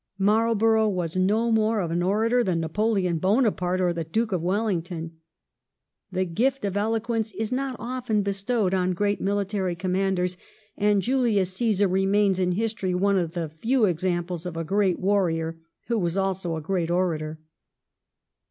Marlborough was no more of an orator than Napoleon Bonaparte or the Duke of Wellington. The gift of eloquence is not often bestowed on great military commanders, and Julius Osesar remains in history one of the few examples of a great warrior who was also a great orator.